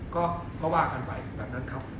ก็ว่ากันไปแบบนั้นครับ